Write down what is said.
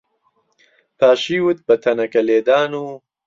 پاشیوت بە تەنەکەلێدان و